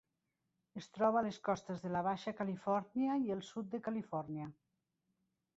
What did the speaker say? Es troba a les costes de la Baixa Califòrnia i el sud de Califòrnia.